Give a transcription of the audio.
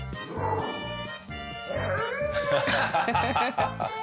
ハハハハ！